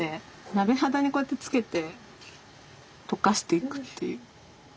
鍋肌にこうやってつけて溶かしていくっていう。